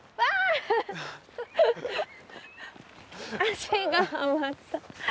足がはまった。